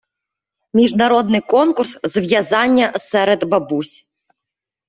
Міжнародний конкурс з в’язання серед бабусь.